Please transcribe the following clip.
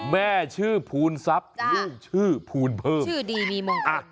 แม่ชื่อภูนซับชื่อภูนิเพิ่มชื่อดีมีมงคล